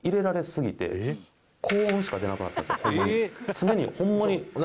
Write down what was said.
常にホンマに。